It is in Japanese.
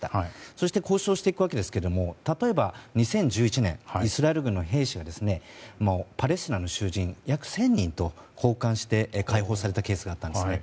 そして交渉していくわけですが例えば、２０１１年イスラエル軍の兵士がパレスチナの囚人約１０００人と交換して解放されたケースがあったんですね。